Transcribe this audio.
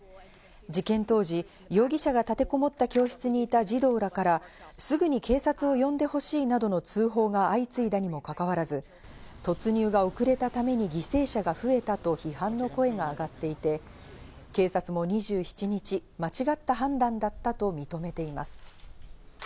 事件当時、容疑者が立てこもった教室にいた児童らからすぐに警察を呼んでほしいなどの通報が相次いだにもかかわらず、突入が遅れたために犠牲者が増えたと批判の声が上がっていて、警察も２７日、間違った判断だったと認めています。